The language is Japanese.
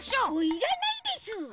いらないです！